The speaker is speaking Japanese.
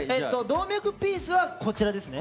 動脈ピースはこちらですね。